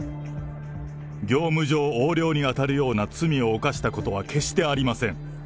業務上横領に当たるような罪を犯したことは決してありません。